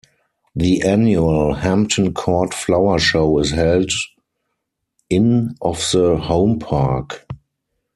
The annual Hampton Court Flower Show is held in of the Home Park.